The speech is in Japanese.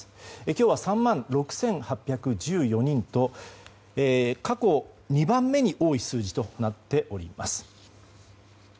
今日は３万６８１４人と過去２番目に多い数字となっております。